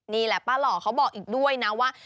นี่แหละป้าหล่อเขาบอกอีกด้วยนะว่า